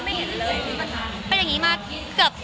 มันเหมือนกับมันเหมือนกับมันเหมือนกับ